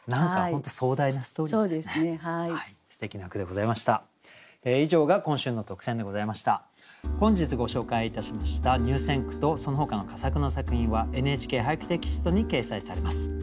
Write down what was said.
本日ご紹介いたしました入選句とそのほかの佳作の作品は「ＮＨＫ俳句」テキストに掲載されます。